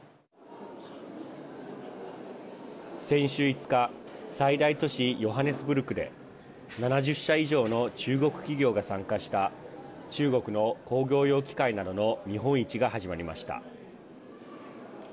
先週５日最大都市ヨハネスブルクで７０社以上の中国企業が参加した中国の鉱業用機械などの見本市が始まりました。